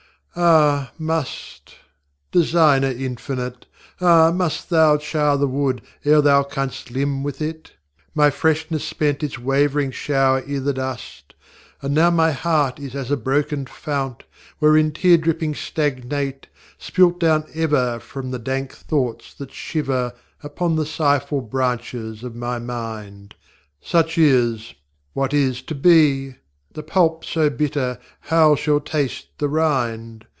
Ah! mustŌĆö Designer infinite! ŌĆö Ah! must Thou char the wood ere Thou canst limn with it? My freshness spent its wavering shower iŌĆÖ the dust; And now my heart is as a broken fount, Wherein tear drippings stagnate, spilt down ever From the dank thoughts that shiver Upon the sighful branches of my mind. Such is; what is to be? The pulp so bitter, how shall taste the rind?